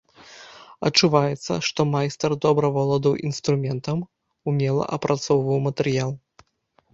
Адчуваецца, што майстар добра валодаў інструментам, умела апрацоўваў матэрыял.